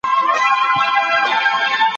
لویه جرګه د هیواد برخلیک ولي ټاکي؟